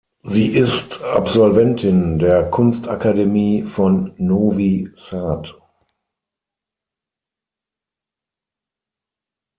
Sie ist Absolventin der Kunstakademie von Novi Sad.